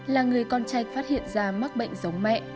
là người con trai phát hiện ra mắc bệnh giống mẹ